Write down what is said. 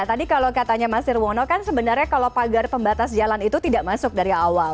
tadi kalau katanya mas nirwono kan sebenarnya kalau pagar pembatas jalan itu tidak masuk dari awal